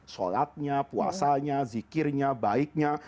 sholatnya puasanya zikirnya baiknya